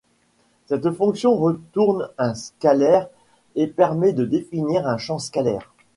Cette fonction retourne un scalaire et permet de définir un champ scalaire.